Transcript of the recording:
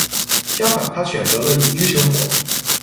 相反，他选择了隐居生活。